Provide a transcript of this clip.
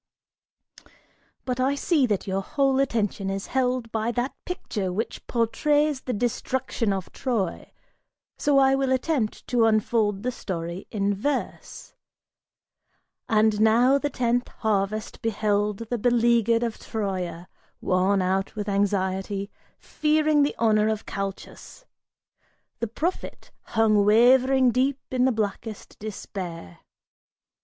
"But I see that your whole attention is held by that picture which portrays the destruction of Troy, so I will attempt to unfold the story in verse: And now the tenth harvest beheld the beleaguered of Troia Worn out with anxiety, fearing the honor of Calchas The prophet, hung wavering deep in the blackest despair.